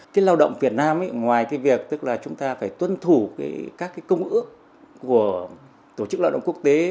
cái lao động việt nam ngoài việc chúng ta phải tuân thủ các công ước của tổ chức lao động quốc tế